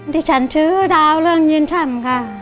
ที่ฉันชื่อดาวเรื่องเย็นช่ำค่ะ